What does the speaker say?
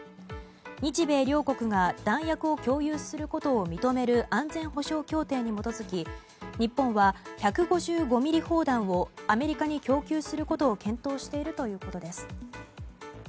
日米両国が弾薬を共有することを認める安全保障協定に基づき日本は１５５ｍｍ砲弾をアメリカに供給することを検討しているということです。